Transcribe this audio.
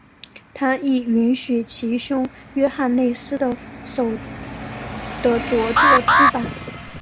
他亦允许其兄约翰内斯的着作出版。